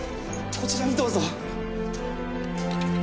こちらにどうぞ。